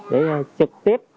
để trực tiếp